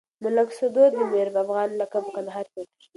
ملک سدو ته د ميرافغانه لقب په کندهار کې ورکړل شو.